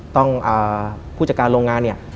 ผู้จัดการโรงงานเนี่ย